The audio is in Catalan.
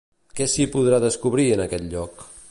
Què s'hi podrà descobrir en aquest lloc?